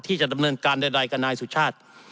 ที่จะดำเนินการใดกับนายสุชาติ